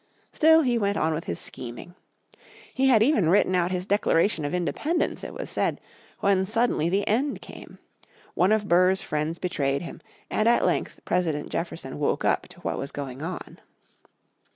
Still he went on with his scheming. He had even written out his Declaration of Independence it was said, when suddenly the end came. One of Burr's friends betrayed him and at length President Jefferson woke up to what was going on.